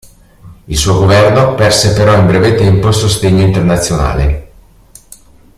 Il suo governo perse però in breve tempo il sostegno internazionale.